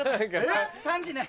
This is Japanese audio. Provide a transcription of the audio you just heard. ３時ね。